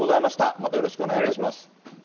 またよろしくお願いいたします。